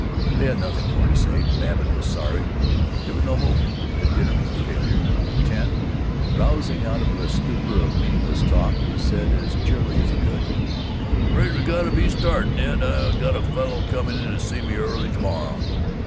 They had nothing more to say. Babbitt was sorry, but there was no hope; the dinner was a failure. At ten, rousing out of the stupor of meaningless talk, he said as cheerily as he could, "'Fraid we got to be starting, Ed. I've got a fellow coming to see me early to morrow."